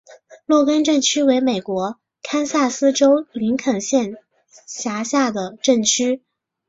洛根镇区为美国堪萨斯州林肯县辖下的镇区。